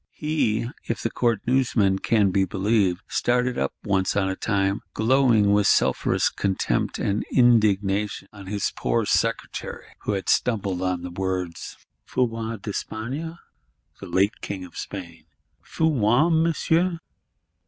He, if the Court Newsmen can be believed, started up once on a time, glowing with sulphurous contempt and indignation on his poor Secretary, who had stumbled on the words, feu roi d'Espagne (the late King of Spain): '_Feu roi, Monsieur?